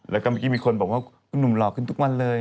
แล้วก็เมื่อกี้มีคนบอกว่าคุณหนุ่มหลอกขึ้นทุกวันเลย